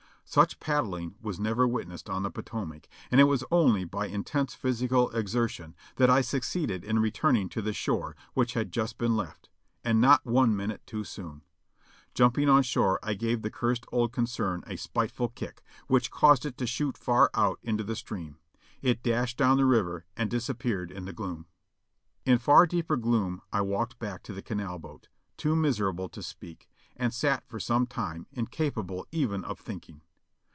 Such paddling was never wit nessed on the Potomac, and it was only by intense physical exer tion that I succeeded in returning to the shore which had just been left, and not one minute too soon ; jumping on shore I gave the cursed old concern a spiteful kick, which caused it to shoot far out into the stream. It dashed down the river and disap peared in the gloom. In far deeper gloom I walked back to the canal boat, too mis erable to speak ; and sat for some time incapable even of think ing.